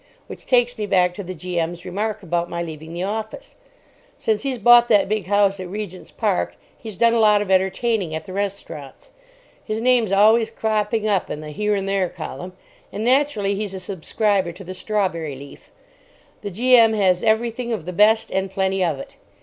Which takes me back to the G.M.'s remark about my leaving the office. Since he's bought that big house at Regent's Park he's done a lot of entertaining at the restaurants. His name's always cropping up in the "Here and There" column, and naturally he's a subscriber to the Strawberry Leaf. The G.M. has everything of the best and plenty of it.